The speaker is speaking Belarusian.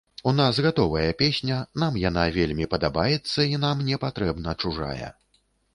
У нас гатовая песня, нам яна вельмі падабаецца і нам не патрэбна чужая.